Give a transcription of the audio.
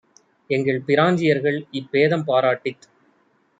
எங்கள் பிராஞ்சியர்கள் இப்பேதம் பாராட்டித்